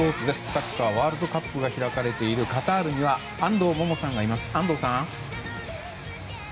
サッカーワールドカップが開かれているカタールには安藤萌々さんがいます。